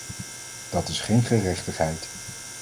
Dat is geen gerechtigheid.